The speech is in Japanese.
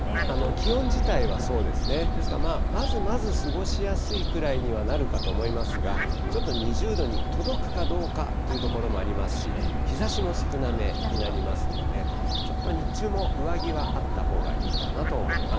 気温自体はそうですね、ですからまずまず過ごしやすいくらいにはなるかと思いますが、ちょっと２０度に届くかどうかというところもありますし、日ざしも少なめになりますので、ちょっと日中も上着はあったほうがいいかなと思います。